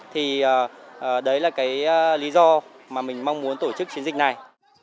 thì đấy là cái lý do mà mình mong muốn tổ chức chiến dịch này